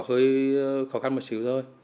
hơi khó khăn một chút thôi